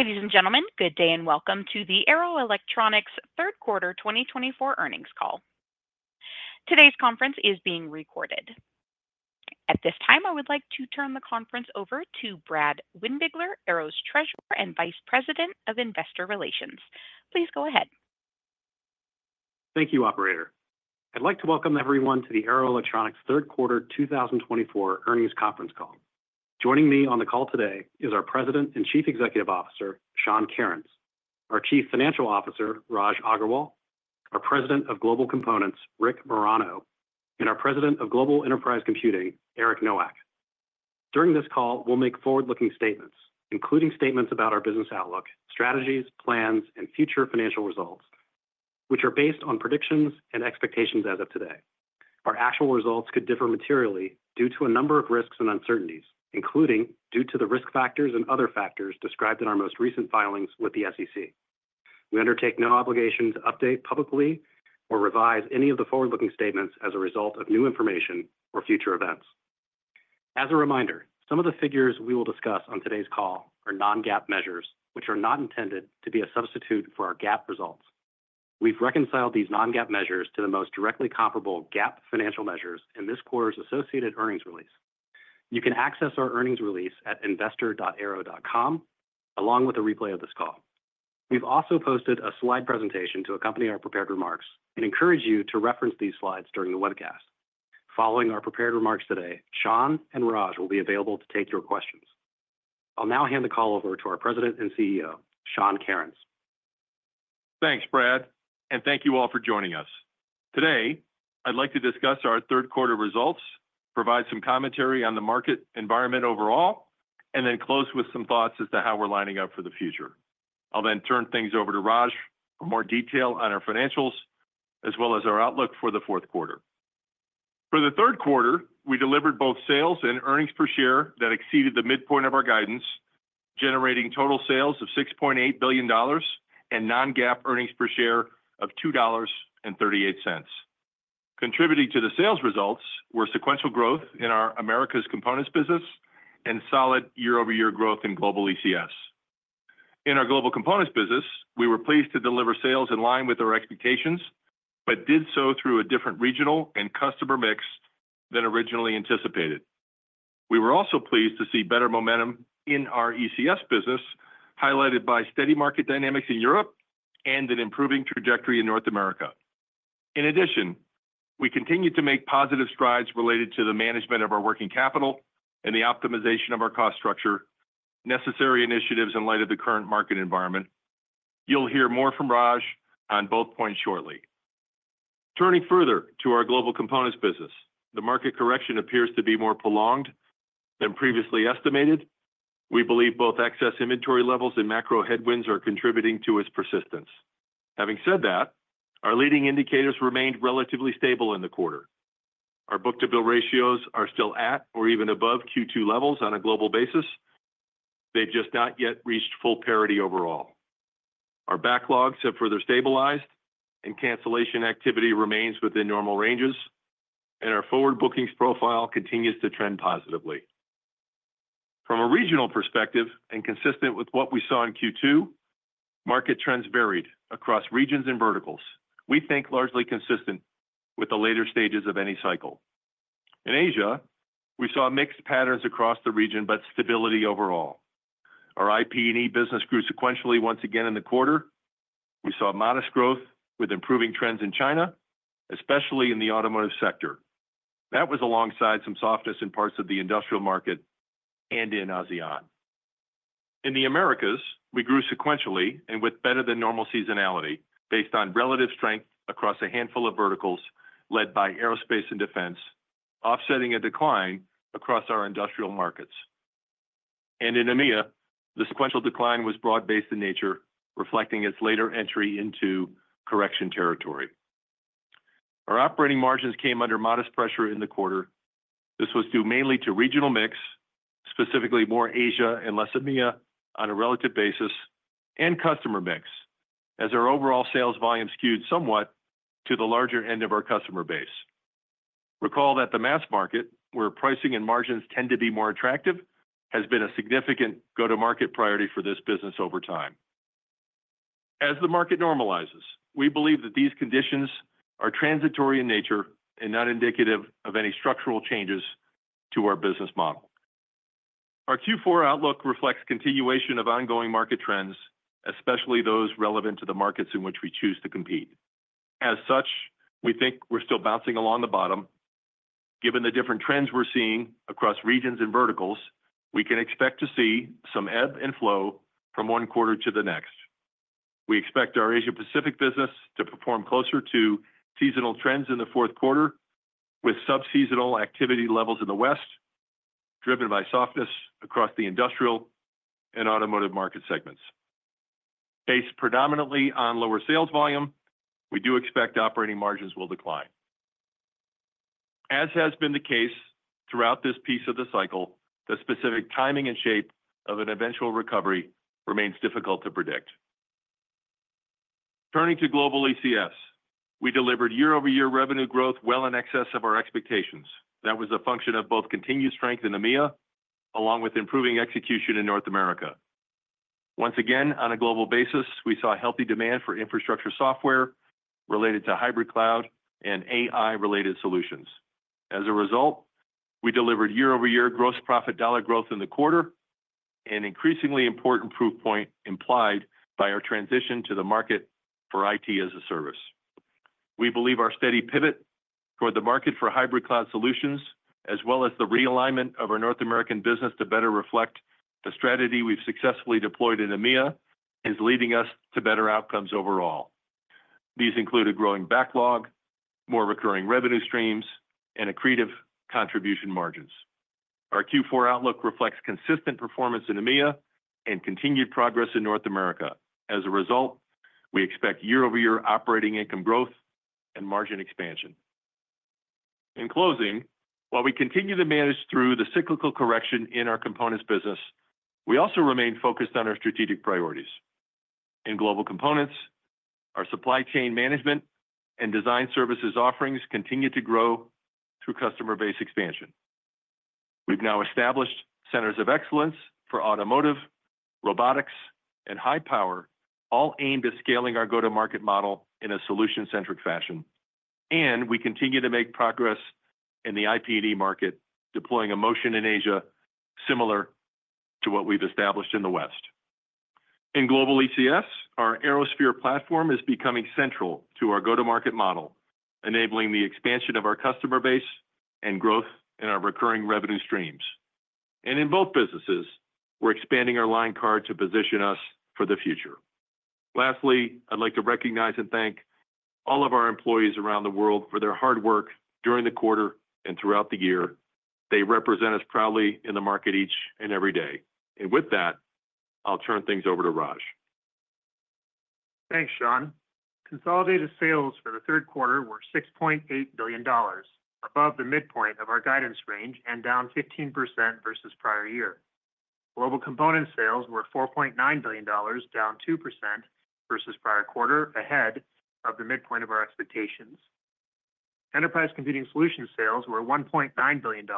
Ladies and gentlemen, good day and welcome to the Arrow Electronics third quarter 2024 earnings call. Today's conference is being recorded. At this time, I would like to turn the conference over to Brad Windbigler, Arrow's Treasurer and Vice President of Investor Relations. Please go ahead. Thank you, Operator. I'd like to welcome everyone to the Arrow Electronics third quarter 2024 earnings conference call. Joining me on the call today is our President and Chief Executive Officer, Sean Kerins, our Chief Financial Officer, Raj Agrawal, our President of Global Components, Rick Marano, and our President of Global Enterprise Computing, Eric Nowak. During this call, we'll make forward-looking statements, including statements about our business outlook, strategies, plans, and future financial results, which are based on predictions and expectations as of today. Our actual results could differ materially due to a number of risks and uncertainties, including due to the risk factors and other factors described in our most recent filings with the SEC. We undertake no obligation to update publicly or revise any of the forward-looking statements as a result of new information or future events. As a reminder, some of the figures we will discuss on today's call are non-GAAP measures, which are not intended to be a substitute for our GAAP results. We've reconciled these non-GAAP measures to the most directly comparable GAAP financial measures in this quarter's associated earnings release. You can access our earnings release at investor.arrow.com, along with a replay of this call. We've also posted a slide presentation to accompany our prepared remarks and encourage you to reference these slides during the webcast. Following our prepared remarks today, Sean and Raj will be available to take your questions. I'll now hand the call over to our President and CEO, Sean Kerins. Thanks, Brad, and thank you all for joining us. Today, I'd like to discuss our third quarter results, provide some commentary on the market environment overall, and then close with some thoughts as to how we're lining up for the future. I'll then turn things over to Raj for more detail on our financials, as well as our outlook for the fourth quarter. For the third quarter, we delivered both sales and earnings per share that exceeded the midpoint of our guidance, generating total sales of $6.8 billion and non-GAAP earnings per share of $2.38. Contributing to the sales results were sequential growth in our Americas Components business and solid year-over-year growth in Global ECS. In our Global Components business, we were pleased to deliver sales in line with our expectations, but did so through a different regional and customer mix than originally anticipated. We were also pleased to see better momentum in our ECS business, highlighted by steady market dynamics in Europe and an improving trajectory in North America. In addition, we continued to make positive strides related to the management of our working capital and the optimization of our cost structure, necessary initiatives in light of the current market environment. You'll hear more from Raj on both points shortly. Turning further to our Global Components business, the market correction appears to be more prolonged than previously estimated. We believe both excess inventory levels and macro headwinds are contributing to its persistence. Having said that, our leading indicators remained relatively stable in the quarter. Our book-to-bill ratios are still at or even above Q2 levels on a global basis. They've just not yet reached full parity overall. Our backlogs have further stabilized, and cancellation activity remains within normal ranges, and our forward bookings profile continues to trend positively. From a regional perspective, and consistent with what we saw in Q2, market trends varied across regions and verticals. We think largely consistent with the later stages of any cycle. In Asia, we saw mixed patterns across the region, but stability overall. Our IP&E business grew sequentially once again in the quarter. We saw modest growth with improving trends in China, especially in the automotive sector. That was alongside some softness in parts of the industrial market and in ASEAN. In the Americas, we grew sequentially and with better than normal seasonality based on relative strength across a handful of verticals led by aerospace and defense, offsetting a decline across our industrial markets. In EMEA, the sequential decline was broad-based in nature, reflecting its later entry into correction territory. Our operating margins came under modest pressure in the quarter. This was due mainly to regional mix, specifically more Asia and less EMEA on a relative basis, and customer mix, as our overall sales volume skewed somewhat to the larger end of our customer base. Recall that the mass market, where pricing and margins tend to be more attractive, has been a significant go-to-market priority for this business over time. As the market normalizes, we believe that these conditions are transitory in nature and not indicative of any structural changes to our business model. Our Q4 outlook reflects continuation of ongoing market trends, especially those relevant to the markets in which we choose to compete. As such, we think we're still bouncing along the bottom. Given the different trends we're seeing across regions and verticals, we can expect to see some ebb and flow from one quarter to the next. We expect our Asia-Pacific business to perform closer to seasonal trends in the fourth quarter, with subseasonal activity levels in the West driven by softness across the industrial and automotive market segments. Based predominantly on lower sales volume, we do expect operating margins will decline. As has been the case throughout this piece of the cycle, the specific timing and shape of an eventual recovery remains difficult to predict. Turning to Global ECS, we delivered year-over-year revenue growth well in excess of our expectations. That was a function of both continued strength in EMEA, along with improving execution in North America. Once again, on a global basis, we saw healthy demand for infrastructure software related to hybrid cloud and AI-related solutions. As a result, we delivered year-over-year gross profit dollar growth in the quarter, an increasingly important proof point implied by our transition to the market for IT as a service. We believe our steady pivot toward the market for hybrid cloud solutions, as well as the realignment of our North American business to better reflect the strategy we've successfully deployed in EMEA, is leading us to better outcomes overall. These include a growing backlog, more recurring revenue streams, and accretive contribution margins. Our Q4 outlook reflects consistent performance in EMEA and continued progress in North America. As a result, we expect year-over-year operating income growth and margin expansion. In closing, while we continue to manage through the cyclical correction in our components business, we also remain focused on our strategic priorities. In Global Components, our supply chain management and design services offerings continue to grow through customer-based expansion. We've now established centers of excellence for automotive, robotics, and high power, all aimed at scaling our go-to-market model in a solution-centric fashion, and we continue to make progress in the IP&E market, deploying a motion in Asia similar to what we've established in the West. In Global ECS, our ArrowSphere platform is becoming central to our go-to-market model, enabling the expansion of our customer base and growth in our recurring revenue streams, and in both businesses, we're expanding our line card to position us for the future. Lastly, I'd like to recognize and thank all of our employees around the world for their hard work during the quarter and throughout the year. They represent us proudly in the market each and every day, and with that, I'll turn things over to Raj. Thanks, Sean. Consolidated sales for the third quarter were $6.8 billion, above the midpoint of our guidance range and down 15% versus prior year. Global Components sales were $4.9 billion, down 2% versus prior quarter, ahead of the midpoint of our expectations. Enterprise Computing Solutions sales were $1.9 billion,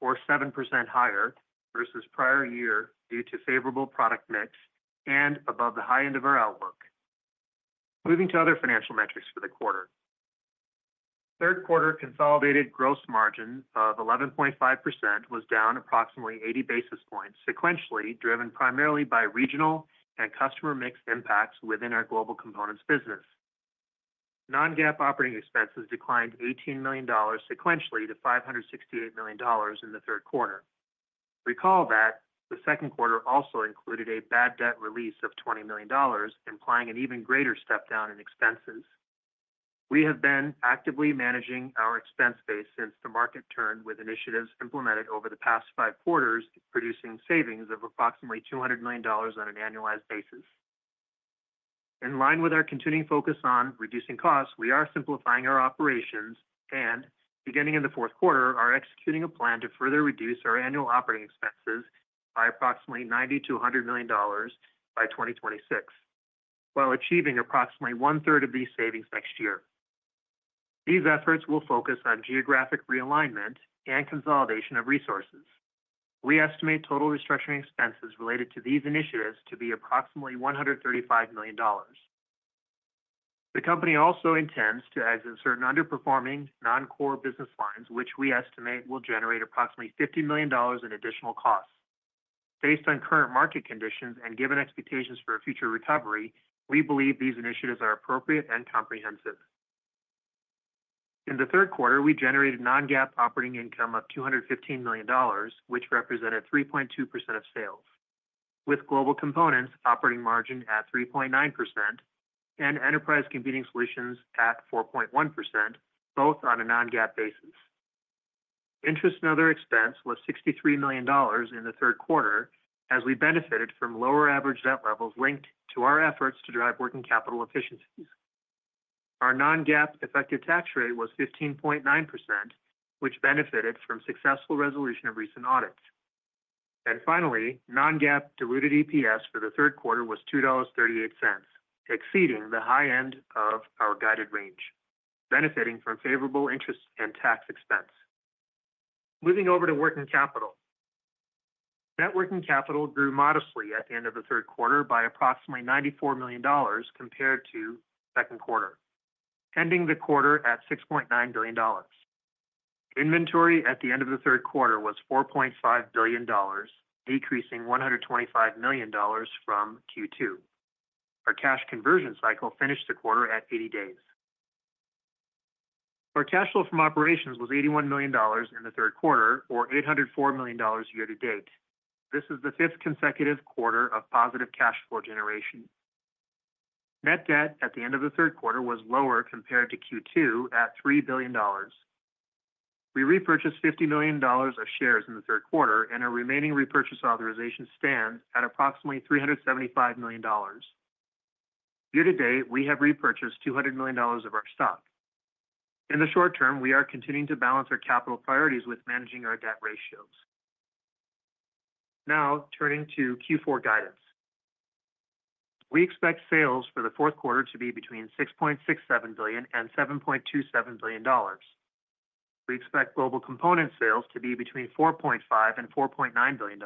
or 7% higher versus prior year due to favorable product mix and above the high end of our outlook. Moving to other financial metrics for the quarter. Third quarter consolidated gross margin of 11.5% was down approximately 80 basis points, sequentially driven primarily by regional and customer mix impacts within our Global Components business. Non-GAAP operating expenses declined $18 million sequentially to $568 million in the third quarter. Recall that the second quarter also included a bad debt release of $20 million, implying an even greater step down in expenses. We have been actively managing our expense base since the market turned with initiatives implemented over the past five quarters, producing savings of approximately $200 million on an annualized basis. In line with our continuing focus on reducing costs, we are simplifying our operations, and beginning in the fourth quarter, are executing a plan to further reduce our annual operating expenses by approximately $90-$100 million by 2026, while achieving approximately one-third of these savings next year. These efforts will focus on geographic realignment and consolidation of resources. We estimate total restructuring expenses related to these initiatives to be approximately $135 million. The company also intends to exit certain underperforming non-core business lines, which we estimate will generate approximately $50 million in additional costs. Based on current market conditions and given expectations for a future recovery, we believe these initiatives are appropriate and comprehensive. In the third quarter, we generated non-GAAP operating income of $215 million, which represented 3.2% of sales, with Global Components operating margin at 3.9% and enterprise computing solutions at 4.1%, both on a non-GAAP basis. Interest and other expense was $63 million in the third quarter, as we benefited from lower average debt levels linked to our efforts to drive working capital efficiencies. Our non-GAAP effective tax rate was 15.9%, which benefited from successful resolution of recent audits, and finally, non-GAAP diluted EPS for the third quarter was $2.38, exceeding the high end of our guided range, benefiting from favorable interest and tax expense. Moving over to working capital. Net working capital grew modestly at the end of the third quarter by approximately $94 million compared to second quarter, ending the quarter at $6.9 billion. Inventory at the end of the third quarter was $4.5 billion, decreasing $125 million from Q2. Our cash conversion cycle finished the quarter at 80 days. Our cash flow from operations was $81 million in the third quarter, or $804 million year-to-date. This is the fifth consecutive quarter of positive cash flow generation. Net debt at the end of the third quarter was lower compared to Q2 at $3 billion. We repurchased $50 million of shares in the third quarter, and our remaining repurchase authorization stands at approximately $375 million. Year-to-date, we have repurchased $200 million of our stock. In the short term, we are continuing to balance our capital priorities with managing our debt ratios. Now, turning to Q4 guidance. We expect sales for the fourth quarter to be between $6.67 billion and $7.27 billion. We expect Global Components sales to be between $4.5 and $4.9 billion,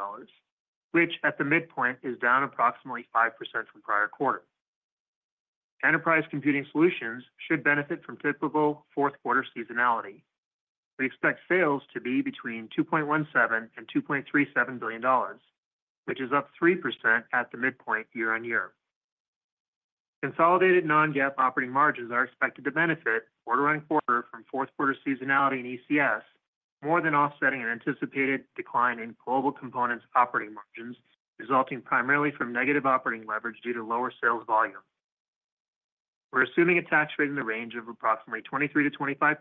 which at the midpoint is down approximately 5% from prior quarter. Enterprise Computing Solutions should benefit from typical fourth quarter seasonality. We expect sales to be between $2.17 and $2.37 billion, which is up 3% at the midpoint year-on-year. Consolidated non-GAAP operating margins are expected to benefit quarter on quarter from fourth quarter seasonality in ECS, more than offsetting an anticipated decline in Global Components operating margins, resulting primarily from negative operating leverage due to lower sales volume. We're assuming a tax rate in the range of approximately 23 to 25%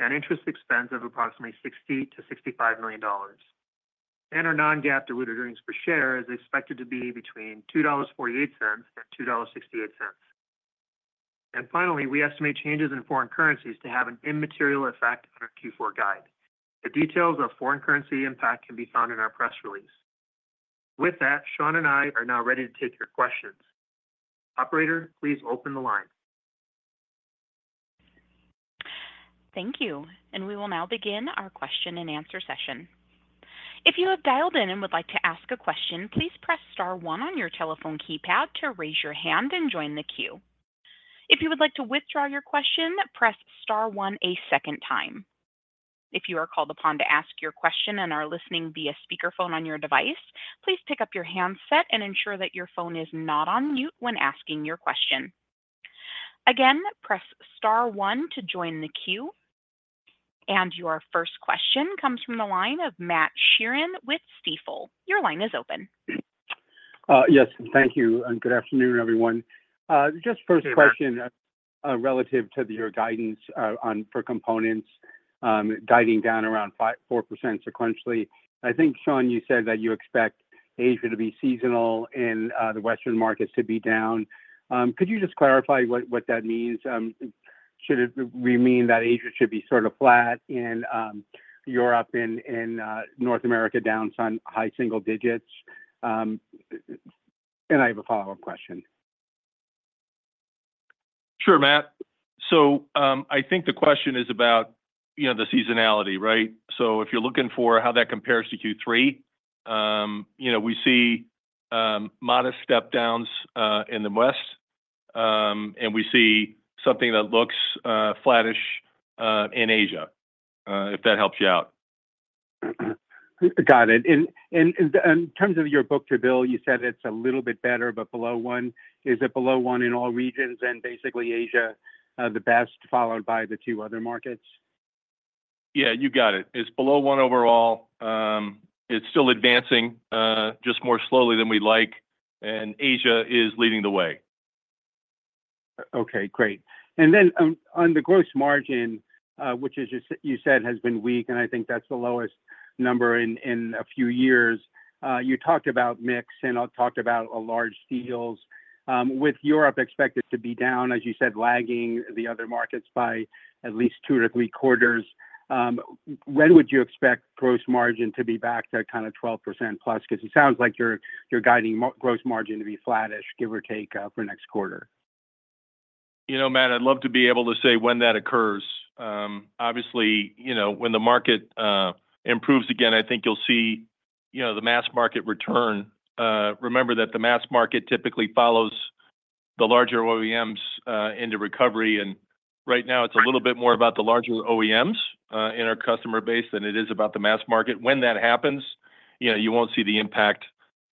and interest expense of approximately $60 to $65 million. And our non-GAAP diluted earnings per share is expected to be between $2.48 and $2.68. And finally, we estimate changes in foreign currencies to have an immaterial effect on our Q4 guide. The details of foreign currency impact can be found in our press release. With that, Sean and I are now ready to take your questions. Operator, please open the line. Thank you, and we will now begin our question and answer session. If you have dialed in and would like to ask a question, please press star one on your telephone keypad to raise your hand and join the queue. If you would like to withdraw your question, press star one a second time. If you are called upon to ask your question and are listening via speakerphone on your device, please pick up your handset and ensure that your phone is not on mute when asking your question. Again, press star one to join the queue, and your first question comes from the line of Matt Sheerin with Stifel. Your line is open. Yes, thank you, and good afternoon, everyone. Just first question relative to your guidance for components diving down around 4% sequentially. I think, Sean, you said that you expect Asia to be seasonal and the Western markets to be down. Could you just clarify what that means? Should it remain that Asia should be sort of flat and Europe and North America down some high single digits? And I have a follow-up question. Sure, Matt. So I think the question is about the seasonality, right? So if you're looking for how that compares to Q3, we see modest step downs in the West, and we see something that looks flattish in Asia, if that helps you out. Got it. And in terms of your book-to-bill, you said it's a little bit better, but below one. Is it below one in all regions and basically Asia, the best, followed by the two other markets? Yeah, you got it. It's below one overall. It's still advancing, just more slowly than we'd like, and Asia is leading the way. Okay, great. And then on the gross margin, which you said has been weak, and I think that's the lowest number in a few years, you talked about mix and talked about large deals. With Europe, expected to be down, as you said, lagging the other markets by at least two to three quarters. When would you expect gross margin to be back to kind of 12% plus? Because it sounds like you're guiding gross margin to be flattish, give or take, for next quarter. You know, Matt, I'd love to be able to say when that occurs. Obviously, when the market improves again, I think you'll see the mass market return. Remember that the mass market typically follows the larger OEMs into recovery, and right now, it's a little bit more about the larger OEMs in our customer base than it is about the mass market. When that happens, you won't see the impact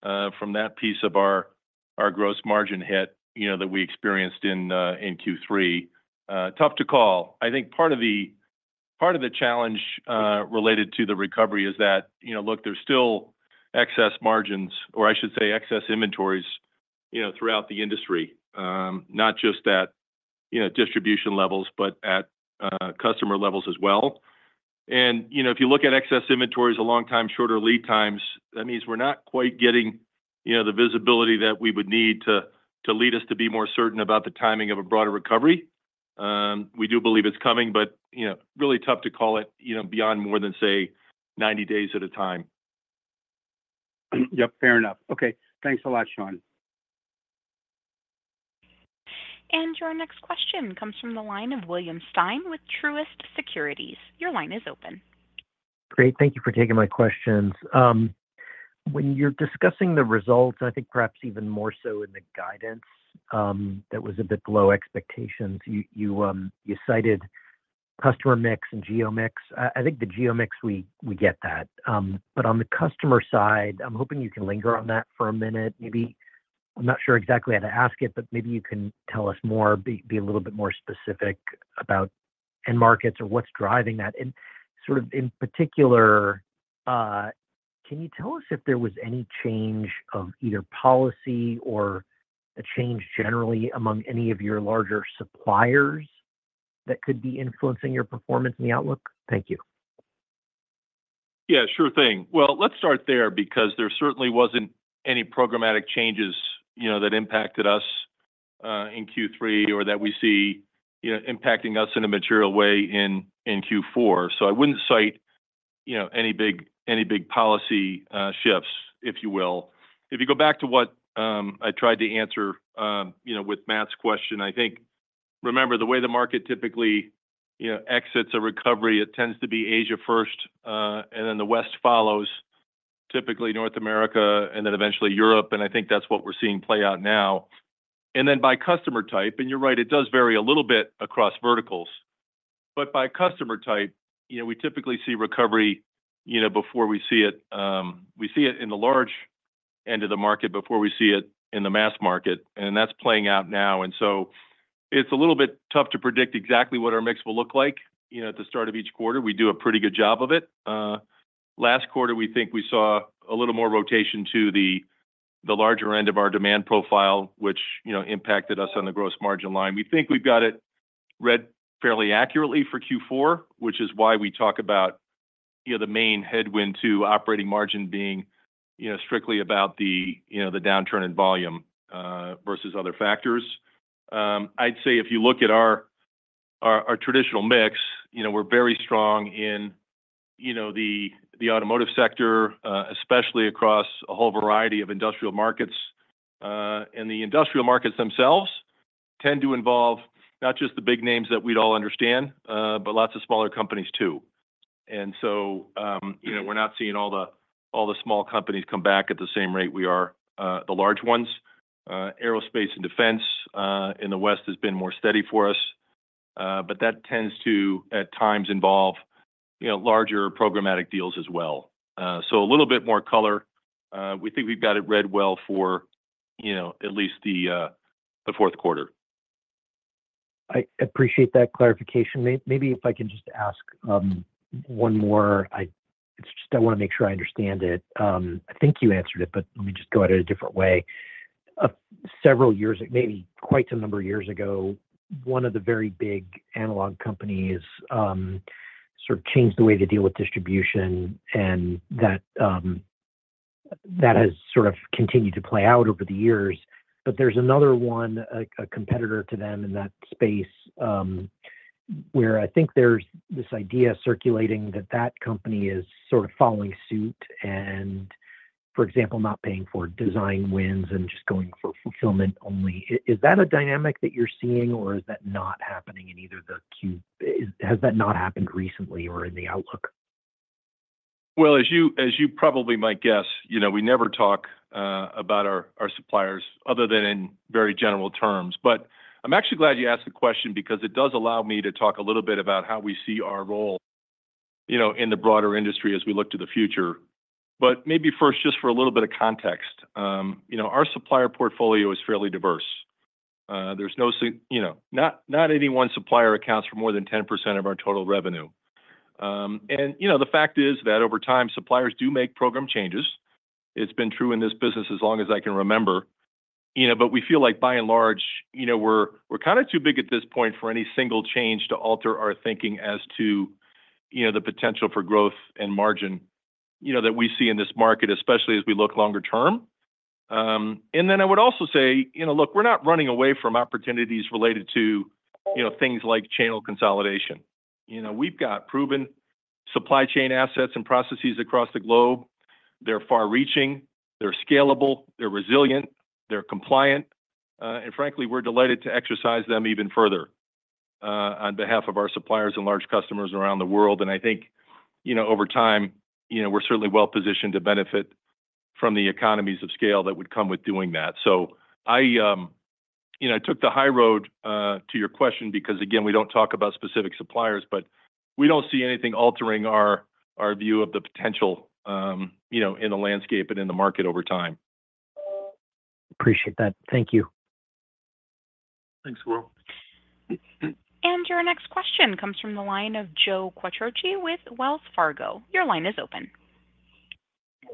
from that piece of our gross margin hit that we experienced in Q3. Tough to call. I think part of the challenge related to the recovery is that, look, there's still excess margins, or I should say excess inventories throughout the industry, not just at distribution levels, but at customer levels as well. And if you look at excess inventories, a long time shorter lead times, that means we're not quite getting the visibility that we would need to lead us to be more certain about the timing of a broader recovery. We do believe it's coming, but really tough to call it beyond more than, say, 90 days at a time. Yep, fair enough. Okay, thanks a lot, Sean. Your next question comes from the line of William Stein with Truist Securities. Your line is open. Great. Thank you for taking my questions. When you're discussing the results, and I think perhaps even more so in the guidance that was a bit below expectations, you cited customer mix and geo mix. I think the geo mix, we get that. But on the customer side, I'm hoping you can linger on that for a minute. Maybe I'm not sure exactly how to ask it, but maybe you can tell us more, be a little bit more specific about end markets or what's driving that and sort of in particular, can you tell us if there was any change of either policy or a change generally among any of your larger suppliers that could be influencing your performance and the outlook? Thank you. Yeah, sure thing. Well, let's start there because there certainly wasn't any programmatic changes that impacted us in Q3 or that we see impacting us in a material way in Q4. So I wouldn't cite any big policy shifts, if you will. If you go back to what I tried to answer with Matt's question, I think, remember the way the market typically exits a recovery, it tends to be Asia first, and then the West follows, typically North America and then eventually Europe. And I think that's what we're seeing play out now. And then by customer type, and you're right, it does vary a little bit across verticals. But by customer type, we typically see recovery before we see it. We see it in the large end of the market before we see it in the mass market. And that's playing out now. And so it's a little bit tough to predict exactly what our mix will look like at the start of each quarter. We do a pretty good job of it. Last quarter, we think we saw a little more rotation to the larger end of our demand profile, which impacted us on the gross margin line. We think we've got it read fairly accurately for Q4, which is why we talk about the main headwind to operating margin being strictly about the downturn in volume versus other factors. I'd say if you look at our traditional mix, we're very strong in the automotive sector, especially across a whole variety of industrial markets. And the industrial markets themselves tend to involve not just the big names that we'd all understand, but lots of smaller companies too. And so we're not seeing all the small companies come back at the same rate as the large ones. Aerospace and defense in the West has been more steady for us. But that tends to, at times, involve larger programmatic deals as well. So a little bit more color. We think we've got it right for at least the fourth quarter. I appreciate that clarification. Maybe if I can just ask one more. I just want to make sure I understand it. I think you answered it, but let me just go at it a different way. Several years, maybe quite a number of years ago, one of the very big analog companies sort of changed the way they deal with distribution. And that has sort of continued to play out over the years. But there's another one, a competitor to them in that space, where I think there's this idea circulating that that company is sort of following suit and, for example, not paying for design wins and just going for fulfillment only. Is that a dynamic that you're seeing, or is that not happening in either the Q? Has that not happened recently or in the outlook? As you probably might guess, we never talk about our suppliers other than in very general terms. I'm actually glad you asked the question because it does allow me to talk a little bit about how we see our role in the broader industry as we look to the future. Maybe first, just for a little bit of context, our supplier portfolio is fairly diverse. There's not any one supplier accounts for more than 10% of our total revenue. And the fact is that over time, suppliers do make program changes. It's been true in this business as long as I can remember. We feel like, by and large, we're kind of too big at this point for any single change to alter our thinking as to the potential for growth and margin that we see in this market, especially as we look longer term. And then I would also say, look, we're not running away from opportunities related to things like channel consolidation. We've got proven supply chain assets and processes across the globe. They're far-reaching. They're scalable. They're resilient. They're compliant. And frankly, we're delighted to exercise them even further on behalf of our suppliers and large customers around the world. And I think over time, we're certainly well positioned to benefit from the economies of scale that would come with doing that. So I took the high road to your question because, again, we don't talk about specific suppliers, but we don't see anything altering our view of the potential in the landscape and in the market over time. Appreciate that. Thank you. Thanks, Will. Your next question comes from the line of Joe Quattrocchi with Wells Fargo. Your line is open.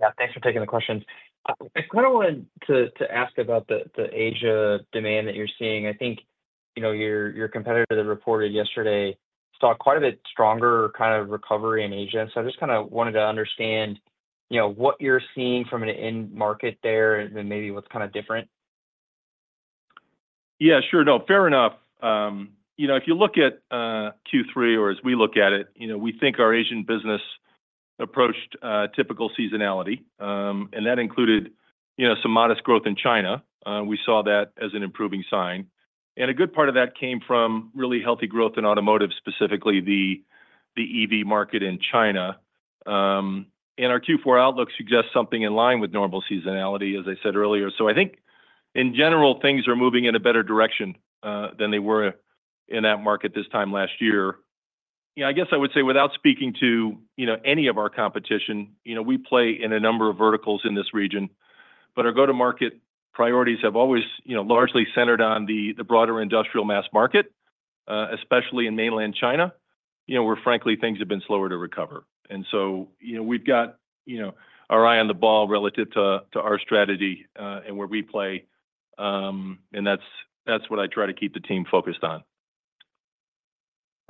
Yeah, thanks for taking the questions. I kind of wanted to ask about the Asia demand that you're seeing. I think your competitor that reported yesterday saw quite a bit stronger kind of recovery in Asia. So I just kind of wanted to understand what you're seeing from an end market there and then maybe what's kind of different. Yeah, sure do. Fair enough. If you look at Q3, or as we look at it, we think our Asian business approached typical seasonality, and that included some modest growth in China. We saw that as an improving sign, and a good part of that came from really healthy growth in automotive, specifically the EV market in China, and our Q4 outlook suggests something in line with normal seasonality, as I said earlier. I think, in general, things are moving in a better direction than they were in that market this time last year. I guess I would say without speaking to any of our competition, we play in a number of verticals in this region, but our go-to-market priorities have always largely centered on the broader industrial mass market, especially in mainland China, where, frankly, things have been slower to recover. And so we've got our eye on the ball relative to our strategy and where we play. And that's what I try to keep the team focused on.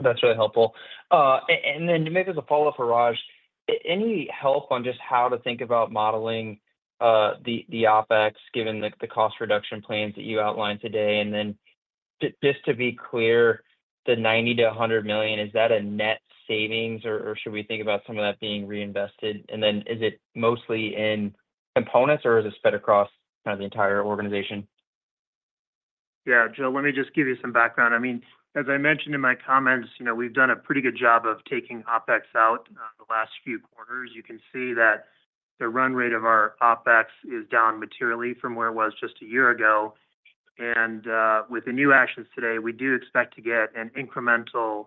That's really helpful. And then maybe as a follow-up for Raj, any help on just how to think about modeling the OpEx, given the cost reduction plans that you outlined today? And then just to be clear, the $90 million-$100 million, is that a net savings, or should we think about some of that being reinvested? And then is it mostly in components, or is it spread across kind of the entire organization? Yeah, Joe, let me just give you some background. I mean, as I mentioned in my comments, we've done a pretty good job of taking OpEx out the last few quarters. You can see that the run rate of our OpEx is down materially from where it was just a year ago. And with the new actions today, we do expect to get an incremental $90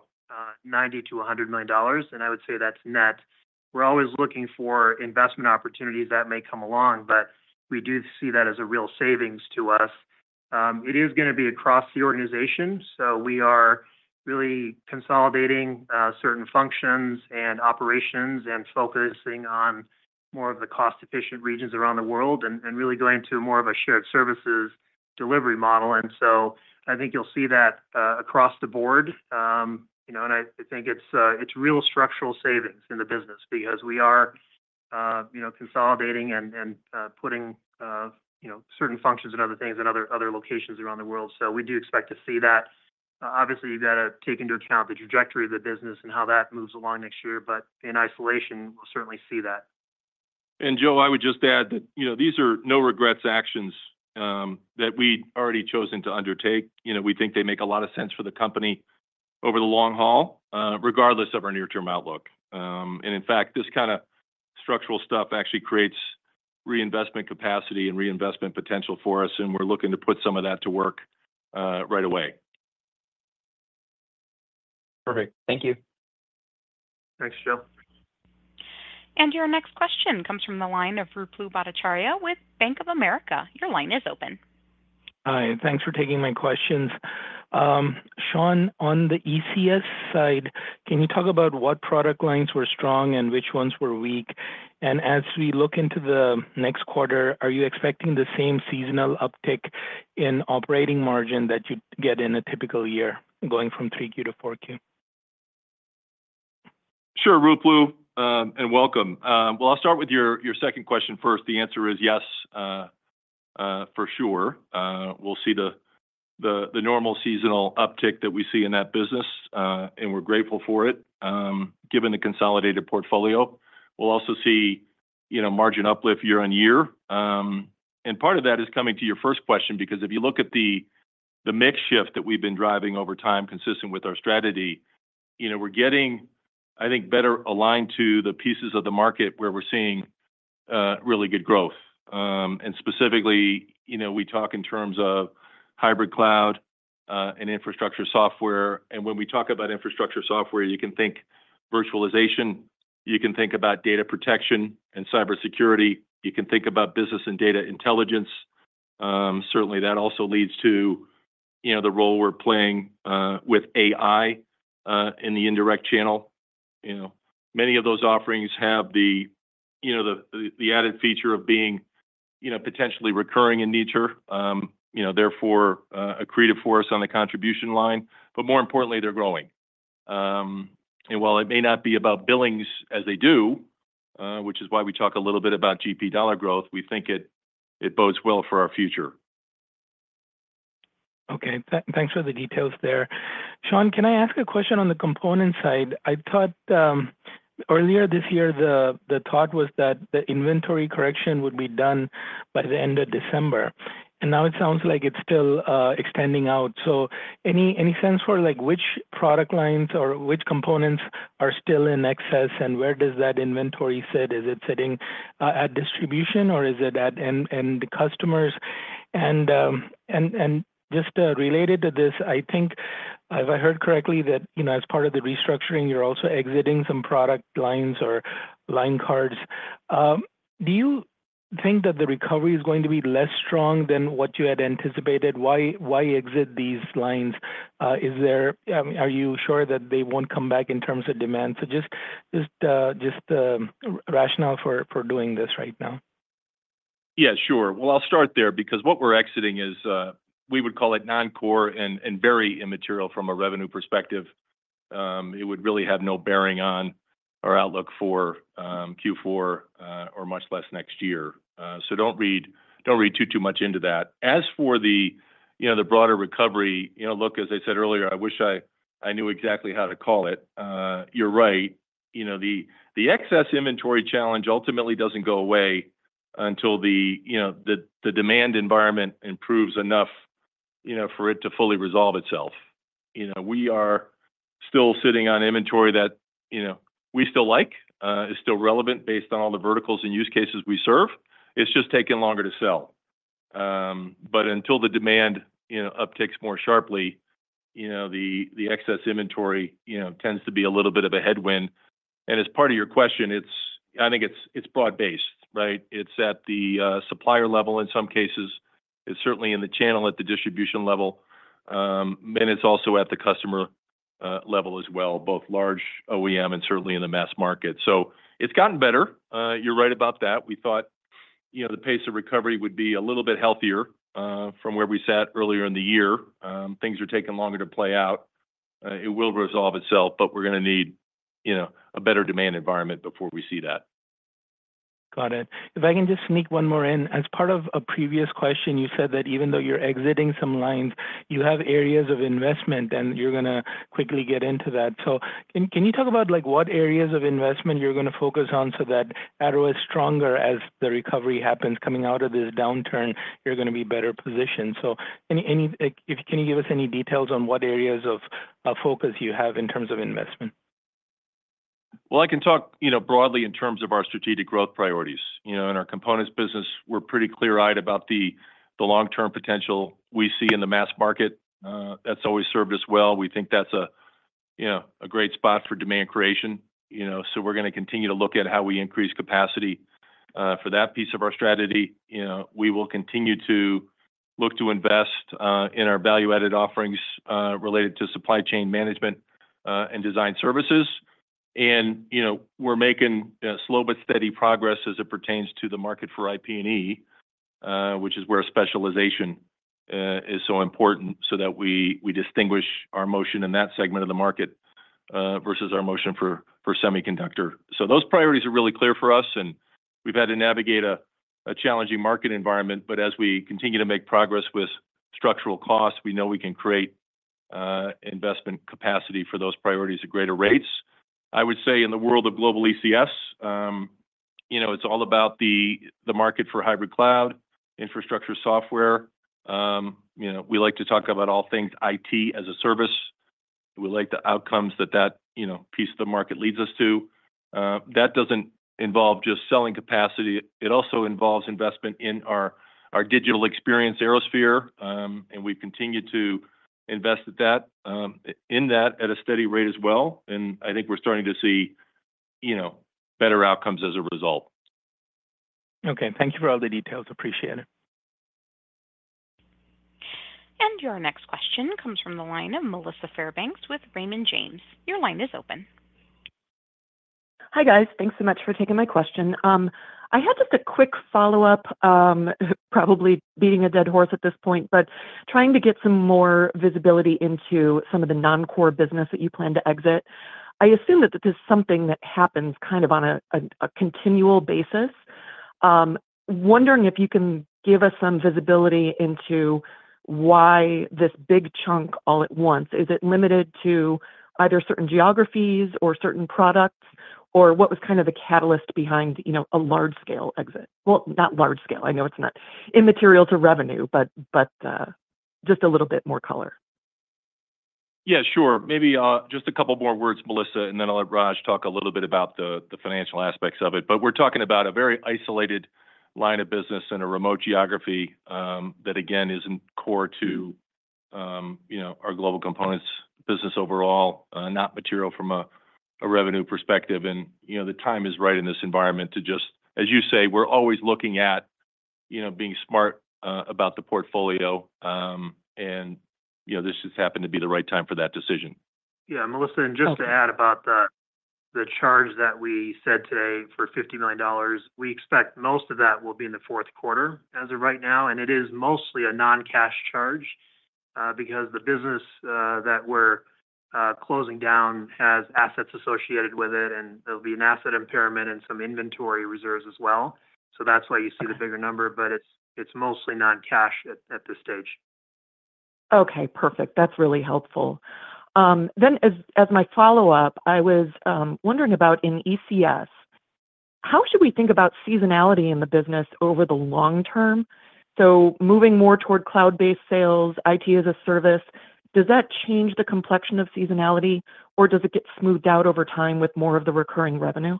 million-$100 million. And I would say that's net. We're always looking for investment opportunities that may come along, but we do see that as a real savings to us. It is going to be across the organization. So we are really consolidating certain functions and operations and focusing on more of the cost-efficient regions around the world and really going to more of a shared services delivery model. And so I think you'll see that across the board. And I think it's real structural savings in the business because we are consolidating and putting certain functions and other things in other locations around the world. So we do expect to see that. Obviously, you've got to take into account the trajectory of the business and how that moves along next year. But in isolation, we'll certainly see that. And Joe, I would just add that these are no-regrets actions that we've already chosen to undertake. We think they make a lot of sense for the company over the long haul, regardless of our near-term outlook. And in fact, this kind of structural stuff actually creates reinvestment capacity and reinvestment potential for us. And we're looking to put some of that to work right away. Perfect. Thank you. Thanks, Joe. Your next question comes from the line of Ruplu Bhattacharya with Bank of America. Your line is open. Hi. Thanks for taking my questions. Sean, on the ECS side, can you talk about what product lines were strong and which ones were weak? And as we look into the next quarter, are you expecting the same seasonal uptick in operating margin that you'd get in a typical year going from 3Q to 4Q? Sure, Ruplu, and welcome. Well, I'll start with your second question first. The answer is yes, for sure. We'll see the normal seasonal uptick that we see in that business, and we're grateful for it, given the consolidated portfolio. We'll also see margin uplift year on year. And part of that is coming to your first question because if you look at the mix shift that we've been driving over time, consistent with our strategy, we're getting, I think, better aligned to the pieces of the market where we're seeing really good growth. And specifically, we talk in terms of hybrid cloud and infrastructure software. And when we talk about infrastructure software, you can think virtualization. You can think about data protection and cybersecurity. You can think about business and data intelligence. Certainly, that also leads to the role we're playing with AI in the indirect channel. Many of those offerings have the added feature of being potentially recurring in nature, therefore a creative force on the contribution line. But more importantly, they're growing. And while it may not be about billings as they do, which is why we talk a little bit about GP dollar growth, we think it bodes well for our future. Okay. Thanks for the details there. Sean, can I ask a question on the component side? I thought earlier this year, the thought was that the inventory correction would be done by the end of December. And now it sounds like it's still extending out. So any sense for which product lines or which components are still in excess and where does that inventory sit? Is it sitting at distribution, or is it at end customers? And just related to this, I think, if I heard correctly, that as part of the restructuring, you're also exiting some product lines or line cards. Do you think that the recovery is going to be less strong than what you had anticipated? Why exit these lines? Are you sure that they won't come back in terms of demand? So just the rationale for doing this right now. Yeah, sure, well, I'll start there because what we're exiting is we would call it non-core and very immaterial from a revenue perspective. It would really have no bearing on our outlook for Q4 or much less next year, so don't read too, too much into that. As for the broader recovery, look, as I said earlier, I wish I knew exactly how to call it. You're right. The excess inventory challenge ultimately doesn't go away until the demand environment improves enough for it to fully resolve itself. We are still sitting on inventory that we still like, is still relevant based on all the verticals and use cases we serve. It's just taken longer to sell, but until the demand upticks more sharply, the excess inventory tends to be a little bit of a headwind, and as part of your question, I think it's broad-based, right? It's at the supplier level in some cases. It's certainly in the channel at the distribution level. Then it's also at the customer level as well, both large OEM and certainly in the mass market. So it's gotten better. You're right about that. We thought the pace of recovery would be a little bit healthier from where we sat earlier in the year. Things are taking longer to play out. It will resolve itself, but we're going to need a better demand environment before we see that. Got it. If I can just sneak one more in. As part of a previous question, you said that even though you're exiting some lines, you have areas of investment, and you're going to quickly get into that. So can you talk about what areas of investment you're going to focus on so that Arrow is stronger as the recovery happens coming out of this downturn? You're going to be better positioned. So can you give us any details on what areas of focus you have in terms of investment? I can talk broadly in terms of our strategic growth priorities. In our components business, we're pretty clear-eyed about the long-term potential we see in the mass market. That's always served us well. We think that's a great spot for demand creation. So we're going to continue to look at how we increase capacity for that piece of our strategy. We will continue to look to invest in our value-added offerings related to supply chain management and design services. And we're making slow but steady progress as it pertains to the market for IP&E, which is where specialization is so important so that we distinguish our motion in that segment of the market versus our motion for semiconductor. So those priorities are really clear for us. And we've had to navigate a challenging market environment. But as we continue to make progress with structural costs, we know we can create investment capacity for those priorities at greater rates. I would say in the world of Global ECS, it's all about the market for hybrid cloud, infrastructure software. We like to talk about all things IT as a service. We like the outcomes that that piece of the market leads us to. That doesn't involve just selling capacity. It also involves investment in our digital experience ArrowSphere. And we've continued to invest in that at a steady rate as well. And I think we're starting to see better outcomes as a result. Okay. Thank you for all the details. Appreciate it. Your next question comes from the line of Melissa Fairbanks with Raymond James. Your line is open. Hi guys. Thanks so much for taking my question. I had just a quick follow-up, probably beating a dead horse at this point, but trying to get some more visibility into some of the non-core business that you plan to exit. I assume that this is something that happens kind of on a continual basis. Wondering if you can give us some visibility into why this big chunk all at once? Is it limited to either certain geographies or certain products, or what was kind of the catalyst behind a large-scale exit? Well, not large-scale. I know it's not immaterial to revenue, but just a little bit more color. Yeah, sure. Maybe just a couple more words, Melissa, and then I'll let Raj talk a little bit about the financial aspects of it. But we're talking about a very isolated line of business in a remote geography that, again, isn't core to our Global Components business overall, not material from a revenue perspective. And the time is right in this environment to just, as you say, we're always looking at being smart about the portfolio. And this just happened to be the right time for that decision. Yeah, Melissa. And just to add about the charge that we said today for $50 million, we expect most of that will be in the fourth quarter as of right now. And it is mostly a non-cash charge because the business that we're closing down has assets associated with it. And there'll be an asset impairment and some inventory reserves as well. So that's why you see the bigger number. But it's mostly non-cash at this stage. Okay. Perfect. That's really helpful. Then as my follow-up, I was wondering about, in ECS, how should we think about seasonality in the business over the long term? So moving more toward cloud-based sales, IT as a service, does that change the complexion of seasonality, or does it get smoothed out over time with more of the recurring revenue?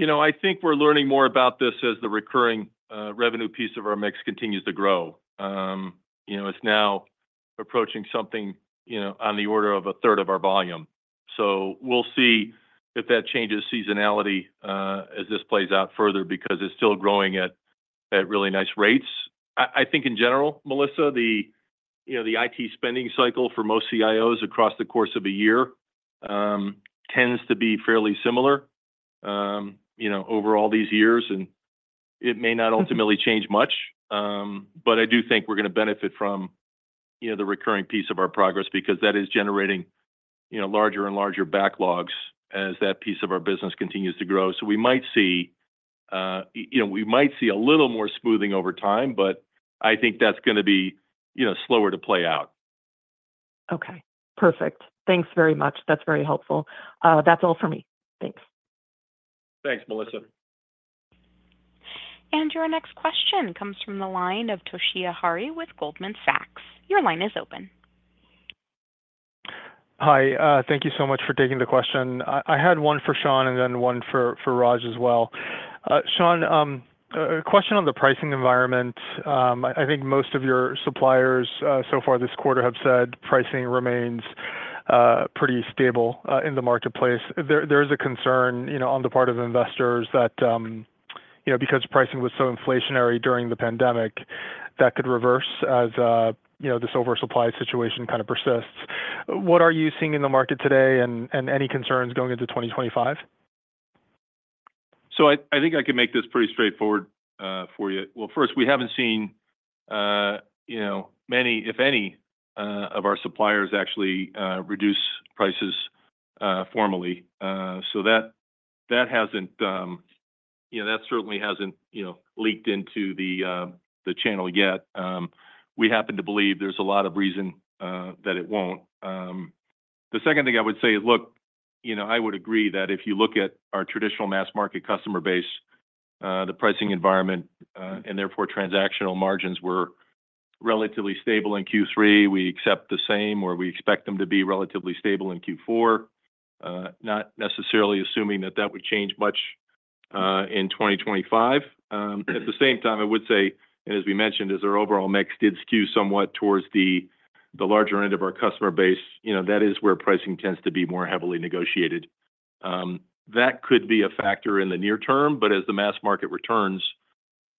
I think we're learning more about this as the recurring revenue piece of our mix continues to grow. It's now approaching something on the order of a third of our volume. So we'll see if that changes seasonality as this plays out further because it's still growing at really nice rates. I think in general, Melissa, the IT spending cycle for most CIOs across the course of a year tends to be fairly similar over all these years. And it may not ultimately change much. But I do think we're going to benefit from the recurring piece of our progress because that is generating larger and larger backlogs as that piece of our business continues to grow. So we might see a little more smoothing over time, but I think that's going to be slower to play out. Okay. Perfect. Thanks very much. That's very helpful. That's all for me. Thanks. Thanks, Melissa. And your next question comes from the line of Toshiya Hari with Goldman Sachs. Your line is open. Hi. Thank you so much for taking the question. I had one for Sean and then one for Raj as well. Sean, a question on the pricing environment. I think most of your suppliers so far this quarter have said pricing remains pretty stable in the marketplace. There is a concern on the part of investors that because pricing was so inflationary during the pandemic, that could reverse as this oversupply situation kind of persists. What are you seeing in the market today and any concerns going into 2025? I think I can make this pretty straightforward for you. Well, first, we haven't seen many, if any, of our suppliers actually reduce prices formally. So that certainly hasn't leaked into the channel yet. We happen to believe there's a lot of reason that it won't. The second thing I would say is, look, I would agree that if you look at our traditional mass market customer base, the pricing environment, and therefore transactional margins were relatively stable in Q3, we accept the same or we expect them to be relatively stable in Q4, not necessarily assuming that that would change much in 2025. At the same time, I would say, and as we mentioned, as our overall mix did skew somewhat towards the larger end of our customer base, that is where pricing tends to be more heavily negotiated. That could be a factor in the near term. But as the mass market returns,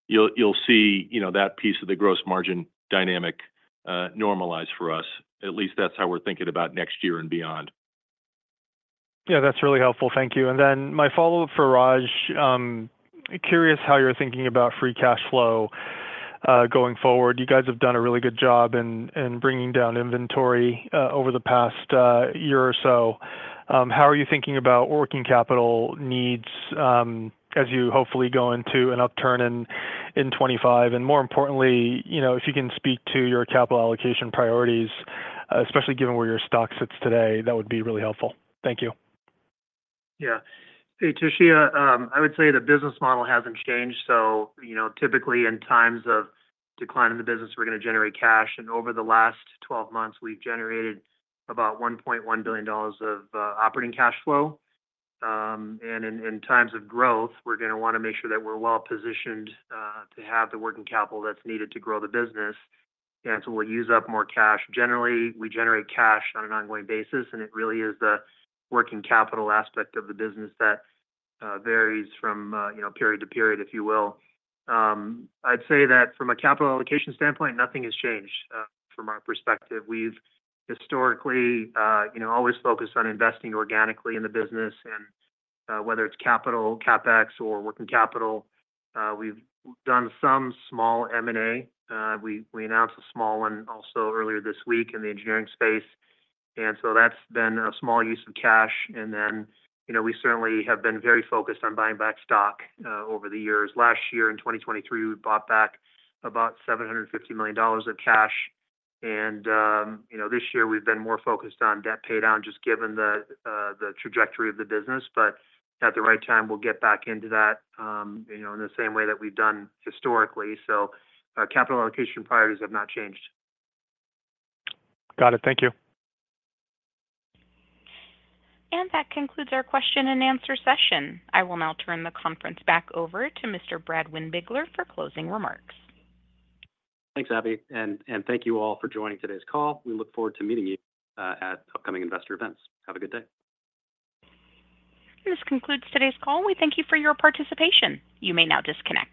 you'll see that piece of the gross margin dynamic normalize for us. At least that's how we're thinking about next year and beyond. Yeah, that's really helpful. Thank you. And then my follow-up for Raj, curious how you're thinking about free cash flow going forward. You guys have done a really good job in bringing down inventory over the past year or so. How are you thinking about working capital needs as you hopefully go into an upturn in 2025? And more importantly, if you can speak to your capital allocation priorities, especially given where your stock sits today, that would be really helpful. Thank you. Yeah. Hey, Toshiya, I would say the business model hasn't changed. So typically in times of decline in the business, we're going to generate cash. And over the last 12 months, we've generated about $1.1 billion of operating cash flow. And in times of growth, we're going to want to make sure that we're well positioned to have the working capital that's needed to grow the business. And so we'll use up more cash. Generally, we generate cash on an ongoing basis. And it really is the working capital aspect of the business that varies from period to period, if you will. I'd say that from a capital allocation standpoint, nothing has changed from our perspective. We've historically always focused on investing organically in the business. And whether it's capital, CapEx, or working capital, we've done some small M&A. We announced a small one also earlier this week in the engineering space. And so that's been a small use of cash. And then we certainly have been very focused on buying back stock over the years. Last year in 2023, we bought back about $750 million of cash. And this year, we've been more focused on debt paydown just given the trajectory of the business. But at the right time, we'll get back into that in the same way that we've done historically. So our capital allocation priorities have not changed. Got it. Thank you. That concludes our question and answer session. I will now turn the conference back over to Mr. Brad Windbigler for closing remarks. Thanks, Abby. And thank you all for joining today's call. We look forward to meeting you at upcoming investor events. Have a good day. And this concludes today's call. We thank you for your participation. You may now disconnect.